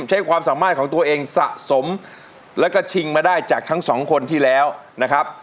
ใช้ความสามารถของตัวเองสะสมแล้วก็ชิงมาได้จากทั้งสองคนที่แล้วนะครับ